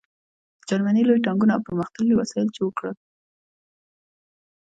جرمني لوی ټانکونه او پرمختللي وسایل جوړ کړل